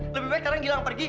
lebih baik kadang gilang pergi